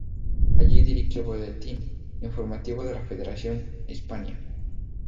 Allí dirige el boletín informativo de la federación, "Hispania".